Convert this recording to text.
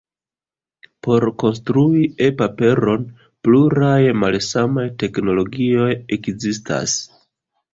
Por konstrui e-paperon, pluraj malsamaj teknologioj ekzistas.